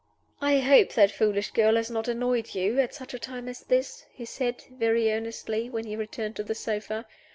"I hope that foolish girl has not annoyed you at such a time as this," he said, very earnestly, when he returned to the sofa.